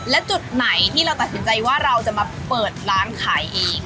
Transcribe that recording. และจุดไหนที่เราตัดสินใจว่าเราจะมาเปิดร้านขายเอง